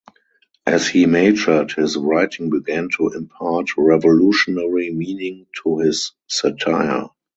As he matured his writing began to impart revolutionary meaning to his satire.